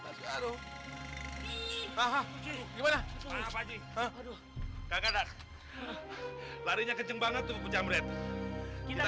ih mas seems eropa ajih aduh ganas lari kecem banget tuh jam red kita